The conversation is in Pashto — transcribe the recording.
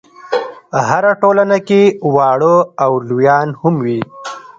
هره ټولنه کې واړه او لویان هم وي.